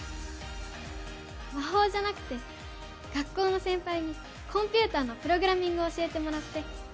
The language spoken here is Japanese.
魔法じゃなくて学校の先輩にコンピューターのプログラミングを教えてもらって。